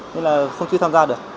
nên là không chứ tham gia được